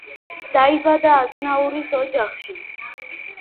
დაიბადა აზნაურის ოჯახში.